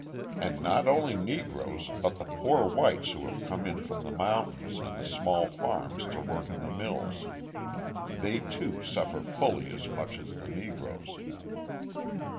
And not only Negroes, but the "poor whites" who have come in from the mountains and the small farms to work in the mills: they, too, suffer fully as much as the Negroes.